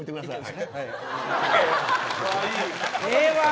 ええわあ。